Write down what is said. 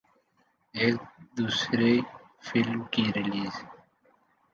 اور دوسری فلم کی ریلیز